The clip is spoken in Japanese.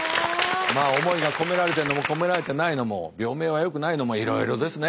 まあ思いが込められてるのも込められてないのも病名はよくないのもいろいろですね。